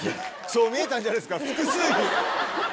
そう見えたんじゃないですか？